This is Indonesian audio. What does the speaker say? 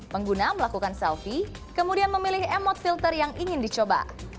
pengguna melakukan selfie kemudian memilih emot filter yang ingin dicoba